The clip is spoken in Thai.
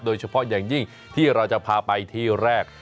โดยเฉพาะอย่างยิ่งที่เราจะพาไปที่แรก